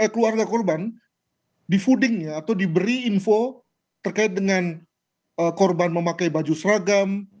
keluarga korban difudingnya atau diberi info terkait dengan korban memakai baju seragam